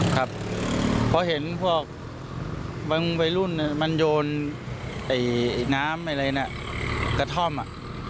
ครับเพราะเห็นพวกบางวัยรุ่นมันโยนน้ำอะไรนะกระท่อมอ่ะ